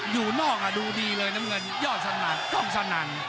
อยู่นอกดูดีเลยนะเมื่อนยอดสนานกองสนาน